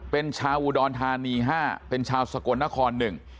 เป็นชาวอุดรธานี๕เป็นชาวสกลนคร๑